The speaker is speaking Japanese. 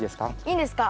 いいんですか？